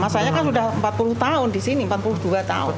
saya kan udah empat puluh tahun disini empat puluh dua tahun